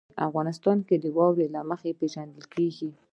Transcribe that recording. افغانستان د واوره له مخې پېژندل کېږي.